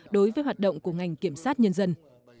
đối với hoạt động của ngành kiểm sát nhân dân